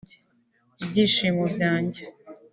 ibyishimo byanjye